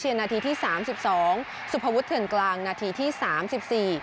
นาทีที่สามสิบสองสุภวุฒเถื่อนกลางนาทีที่สามสิบสี่